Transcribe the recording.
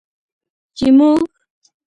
چې موږ